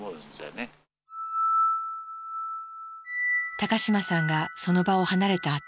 高島さんがその場を離れたあと